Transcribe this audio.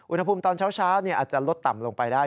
อุณหภูมิตอนเช้าอาจจะลดต่ำลงไปได้